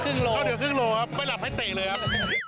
เข้าเหลือครึ่งโลครับไม่หลับให้เตะเลยครับ